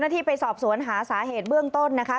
ที่ไปสอบสวนหาสาเหตุเบื้องต้นนะคะ